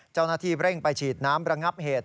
เจ้าหน้าที่เร่งไปฉีดน้ำระงับเหตุ